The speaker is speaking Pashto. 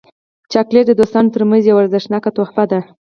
چاکلېټ د دوستانو ترمنځ یو ارزښتناک تحفه ده.